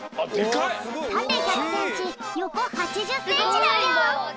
たて１００センチよこ８０センチだぴょん。